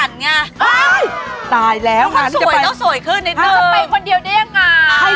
ยังจะไปอย่างก็คืนนะเราจะไปคนเดียวด้วยยังงั้นถ้า